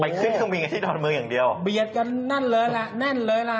ขึ้นเครื่องบินกันที่ดอนเมืองอย่างเดียวเบียดกันแน่นเลยล่ะแน่นเลยล่ะ